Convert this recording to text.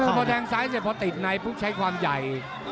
พอแทงซ้ายเสร็จพอติดในปุ๊บใช้ความใหญ่